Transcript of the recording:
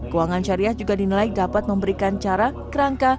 keuangan syariah juga dinilai dapat memberikan cara kerangka